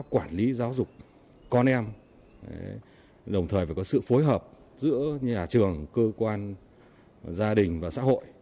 quản lý giáo dục con em đồng thời phải có sự phối hợp giữa nhà trường cơ quan gia đình và xã hội